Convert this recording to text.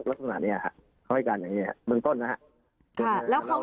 แล้วสำหรับเนี้ยฮะเขาให้การอย่างงี้ฮะเบื้องต้นนะฮะค่ะแล้วเขา